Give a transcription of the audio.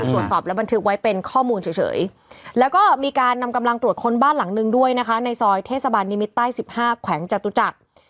ตรวจสอบและบันทึกไว้เป็นข้อมูลเฉยแล้วก็มีการนำกำลังตรวจค้นบ้านหลังนึงด้วยนะคะในซอยเทศบาลนิมิตใต้๑๕แขวงจตุจักร